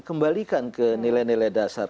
kembalikan ke nilai nilai dasar